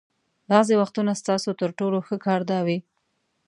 بعضې وختونه ستاسو تر ټولو ښه کار دا وي.